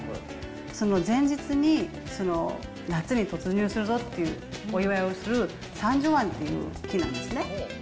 その前日に、夏に突入するぞっていうお祝いをする、サンジョアンっていう日なんですね。